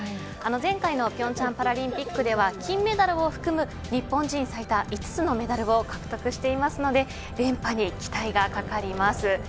前回の平昌パラリンピックでは金メダルを含む日本人最多５つのメダルを獲得していますので連覇に期待がかかります。